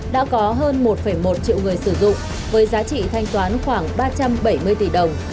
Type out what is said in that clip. đã có hơn một một triệu người sử dụng với giá trị thanh toán khoảng ba trăm bảy mươi tỷ đồng